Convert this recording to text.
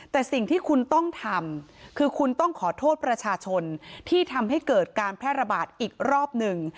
แต่สิ่งที่คุณต้องทำคือคุณต้องขอโทษประชาชนที่ทำให้เกิดการแพร่ระบาดอีกรอบหนึ่ง